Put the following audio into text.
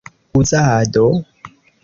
uzado